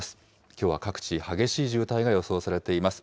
きょうは各地、激しい渋滞が予想されています。